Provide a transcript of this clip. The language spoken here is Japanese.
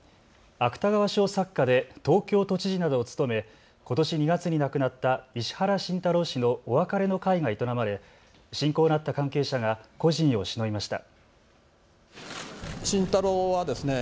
芥川賞作家で東京都知事などを務め、ことし２月に亡くなった石原慎太郎氏のお別れの会が営まれ、親交のあった関係者が故人をしのびました。